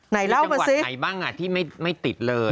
ไหนเล่ามาสิที่๑๗จังหวัดจังหวัดไหนบ้างที่ไม่ติดเลย